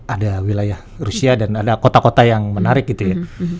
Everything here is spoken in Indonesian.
ada wilayah rusia dan ada kota kota yang menarik gitu ya